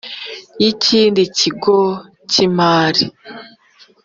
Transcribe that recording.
Y ikindi kigo cy imari